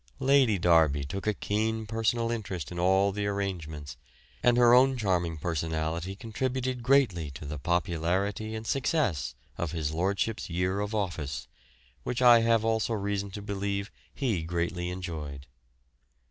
Lady Derby took a keen personal interest in all the arrangements, and her own charming personality contributed greatly to the popularity and success of his lordship's year of office, which I have also reason to believe he greatly enjoyed.